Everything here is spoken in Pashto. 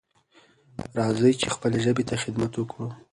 راځئ چې خپلې ژبې ته خدمت وکړو.